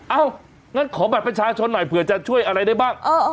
งั้นขอบัตรประชาชนหน่อยเผื่อจะช่วยอะไรได้บ้าง